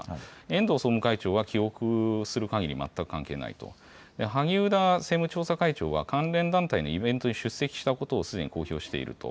遠藤総務会長は記憶する限り、全く関係ないと萩生田政務調査会長は関連団体のイベントに出席したことをすでに公表していると。